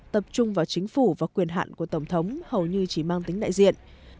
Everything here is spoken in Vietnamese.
tập trung vào chính phủ và quyền hạn của tổng thống hầu như chỉ mang tính đại diện